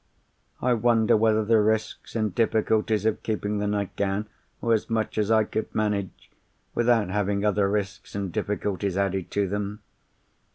"I wonder whether the risks and difficulties of keeping the nightgown were as much as I could manage, without having other risks and difficulties added to them?